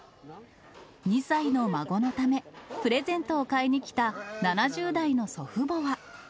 ２歳の孫のため、プレゼントを買いに来た７０代の祖父母は。